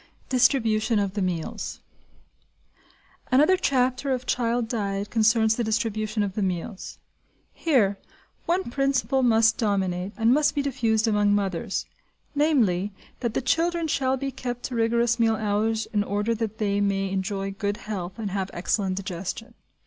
DISTRIBUTION OF THE MEALS Another chapter of child diet concerns the distribution of the meals. Here, one principle must dominate, and must be diffused, among mothers, namely, that the children shall be kept to rigorous meal hours in order that they may enjoy good health and have excellent digestion.